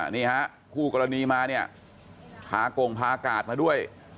นี่ฮะคู่กรณีมาเนี่ยพากงพากาศมาด้วย